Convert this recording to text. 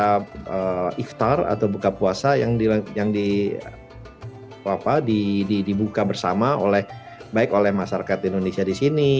ada iftar atau buka puasa yang dibuka bersama oleh baik oleh masyarakat indonesia di sini